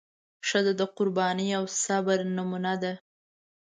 ښځه د قربانۍ او صبر نمونه ده.